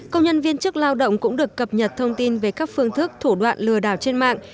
công nhân viên chức lao động cũng được cập nhật thông tin về các phương thức thủ đoạn lừa đảo trên mạng